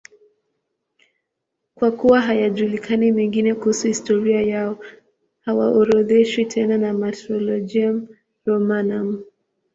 Kwa kuwa hayajulikani mengine kuhusu historia yao, hawaorodheshwi tena na Martyrologium Romanum.